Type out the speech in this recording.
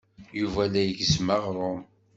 Yuba la igezzem aɣrum.